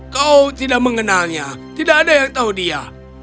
kau tidak mengenalnya tidak ada yang tahu dia